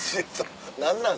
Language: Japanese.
何なん？